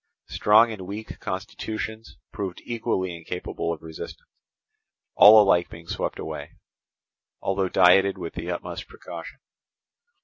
Strong and weak constitutions proved equally incapable of resistance, all alike being swept away, although dieted with the utmost precaution.